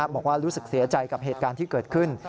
บอกว่ารู้สึกเสียใจกับเหตุการณ์ที่เกิดขึ้น